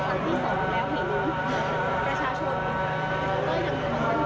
ตอนนี้เป็นครั้งหนึ่งครั้งหนึ่ง